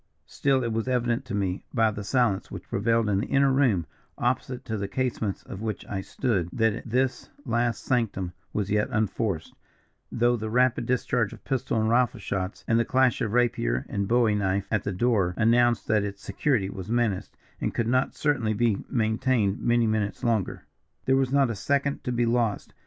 Still it was evident to me, by the silence which prevailed in the inner room opposite to the casements of which I stood that this last sanctum was yet unforced, though the rapid discharge of pistol and rifle shots, and the clash of rapier and bowie knife at the door, announced that its security was menaced, and could not certainly be maintained many minutes longer. "There was not a second to be lost.